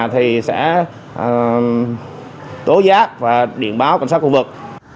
thì sẽ tố giác và điện báo cảnh sát khu vực